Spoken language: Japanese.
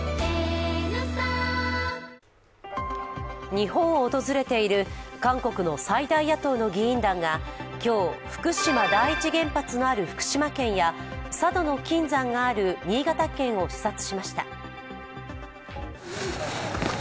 日本を訪れている韓国の最大野党の議員団が今日、福島第一原発がある福島県や佐渡島の金山がある新潟県を視察しました。